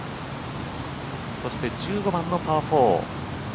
そして１５番のパー４。